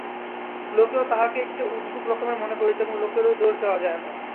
লোকেও তাঁহাকে একটা উজবুক রকমের মনে করিত এবং লোকেরও দোষ দেওয়া যায় না।